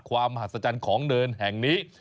มหัศจรรย์ของเนินแห่งนี้